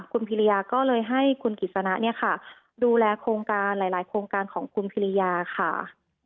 คุณพิริยาก็เลยให้คุณกิจสนะเนี่ยค่ะดูแลโครงการหลายโครงการของคุณพิริยาค่ะ